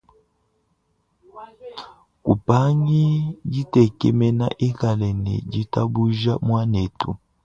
Kupangi ditekemena ikala ne ditabuja muanetu.